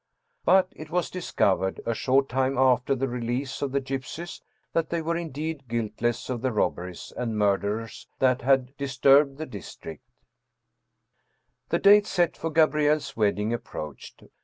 But it was discovered, a .short time after the release of the gypsies, that they were 152 Ernest Theodor Amadeus Hoffmann indeed guiltless of the robberies and murders that had disturbed the district. " The date set for Gabrielle's wedding approached.